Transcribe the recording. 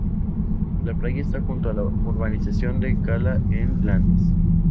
La playa está junto a la urbanización de Cala en Blanes.